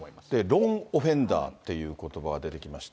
ローンオフェンダーっていうことばが出てきまして。